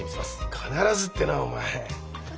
「必ず」ってなあお前。